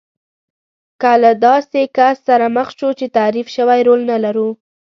که له داسې کس سره مخ شو چې تعریف شوی رول نه لرو.